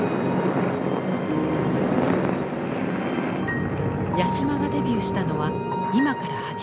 八島がデビューしたのは今から８０年前。